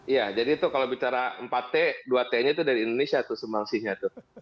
iya jadi itu kalau bicara empat t dua t nya itu dari indonesia tuh sumbangsihnya tuh